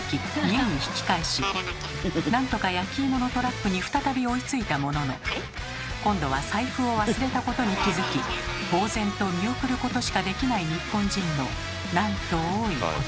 家に引き返し何とか焼き芋のトラックに再び追いついたものの今度は財布を忘れたことに気付きぼう然と見送ることしかできない日本人のなんと多いことか。